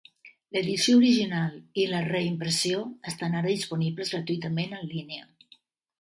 L'edició original i la reimpressió estan ara disponibles gratuïtament en línia.